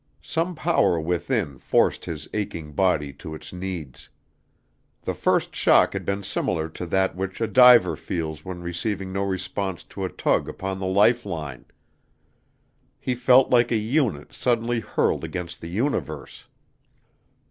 Some power within forced his aching body to its needs. The first shock had been similar to that which a diver feels when receiving no response to a tug upon the life line. He felt like a unit suddenly hurled against the universe.